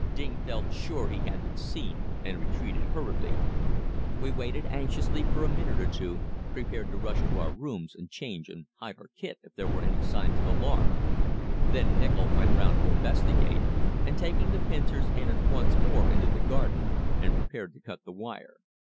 Ding felt sure he had been seen and retreated hurriedly. We waited anxiously for a minute or two, prepared to rush to our rooms and change and hide our kit if there were any signs of alarm. Then Nichol went round to investigate, and taking the pincers entered once more into the garden and prepared to cut the wire.